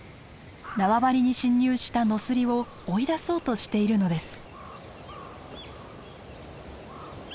縄張りに侵入したノスリを追い出そうとしているのです。